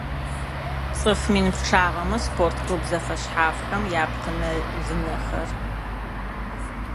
ЦӀыф мин пчъагъэмэ спорт клуб зэфэшъхьафхэм япкъынэ-лынэхэр